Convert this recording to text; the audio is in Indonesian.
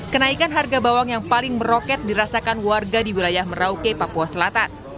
kenaikan harga bawang yang paling meroket dirasakan warga di wilayah merauke papua selatan